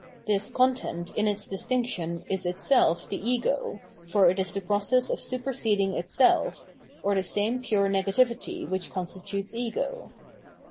This content in its distinction is itself the ego, for it is the process of super seding itself, or the same pure negativity which consti tutes ego.